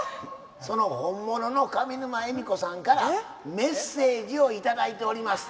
その本物の上沼恵美子さんからメッセージを頂いております。